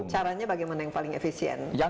caranya bagaimana yang paling efisien